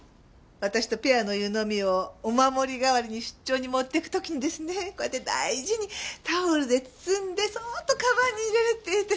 私とペアの湯飲みをお守り代わりに出張に持って行く時にですねこうやって大事にタオルで包んでそーっとカバンに入れるって言ってたんです。